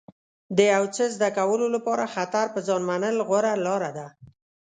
د یو څه زده کولو لپاره خطر په ځان منل غوره لاره ده.